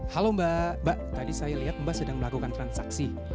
halo mbak mbak tadi saya lihat mbak sedang melakukan transaksi